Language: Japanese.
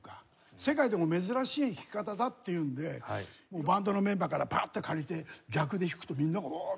世界でも珍しい弾き方だっていうのでバンドのメンバーからパッて借りて逆で弾くとみんなが「わあー！」